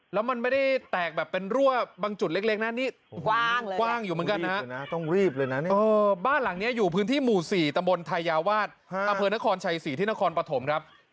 แล้วมันไม่ได้แตกแบบเป็นรั่วบางจุดเล็กนะนี่กว้างอยู่เหมือนกันนะต้องรีบเลยนะเนี่ยบ้านหลังนี้อยู่พื้นที่หมู่๔ตำบลทายาวาสอำเภอนครชัยศรีที่นครปฐมครับ